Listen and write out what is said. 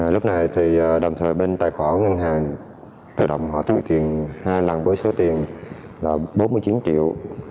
lúc này thì đồng thời bên tài khoản ngân hàng tự động họ thu tiền hai lần với số tiền là bốn mươi chín triệu